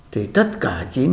thì tất cả